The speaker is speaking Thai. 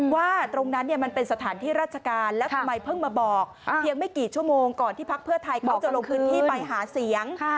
ว่าตรงนั้นมันเป็นสถานที่ราชการแล้วทำไมเพิ่งมาบอกเพียงไม่กี่ชั่วโมงก่อนที่พักเพื่อไทยเขาจะลงพื้นที่ไปหาเสียง